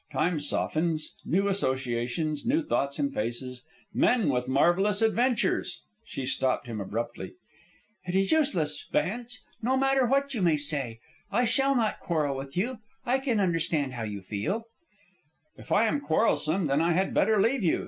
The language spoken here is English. Time softens; new associations, new thoughts and faces; men with marvellous adventures " She stopped him abruptly. "It is useless, Vance, no matter what you may say. I shall not quarrel with you. I can understand how you feel " "If I am quarrelsome, then I had better leave you."